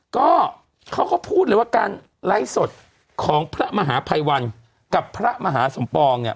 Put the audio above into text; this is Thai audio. ก็เขาก็พูดเลยว่าการไลฟ์สดของพระมหาภัยวันกับพระมหาสมปองเนี่ย